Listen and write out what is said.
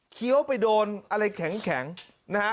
เคี้ยวไปโดนอะไรแข็งนะฮะ